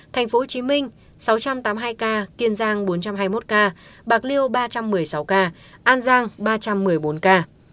tp hcm sáu trăm tám mươi hai ca kiên giang bốn trăm hai mươi một ca bạc liêu ba trăm một mươi sáu ca an giang ba trăm một mươi bốn ca